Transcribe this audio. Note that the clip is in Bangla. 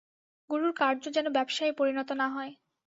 গুরুর কার্য যেন ব্যবসায়ে পরিণত না হয়।